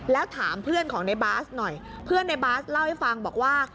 แล้วถามเพื่อนของในบาสหน่อยเพื่อนในบาสเล่าให้ฟังบอกว่า